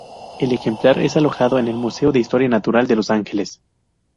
El ejemplar es alojado en el Museo de Historia Natural de Los Ángeles.